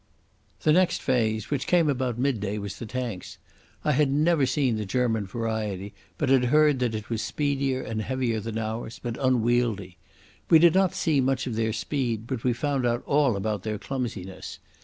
The next phase, which came about midday, was the tanks. I had never seen the German variety, but had heard that it was speedier and heavier than ours, but unwieldy. We did not see much of their speed, but we found out all about their clumsiness.